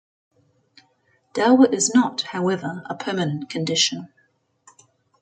Dauer is not, however, a permanent condition.